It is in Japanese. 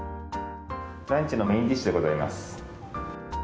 ランチのメインディッシュでございます。